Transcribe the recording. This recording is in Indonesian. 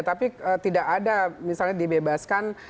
tapi tidak ada misalnya dibebaskan